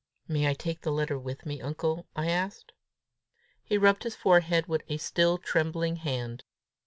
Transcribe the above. "May I take the letter with me, uncle?" I asked. He rubbed his forehead with a still trembling hand.